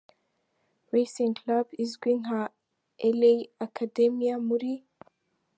Racing Club izwi nka La Academia muri